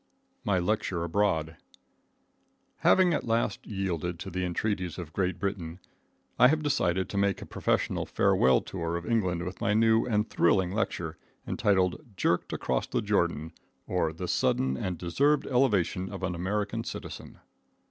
My Lecture Abroad. Having at last yielded to the entreaties of Great Britain, I have decided to make a professional farewell tour of England with my new and thrilling lecture, entitled "Jerked Across the Jordan, or the Sudden and Deserved Elevation of an American Citizen."